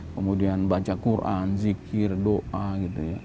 kemudian baca quran zikir doa gitu ya